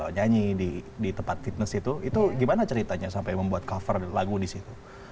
nyanyi di tempat fitness itu itu gimana ceritanya sampai membuat cover lagu di situ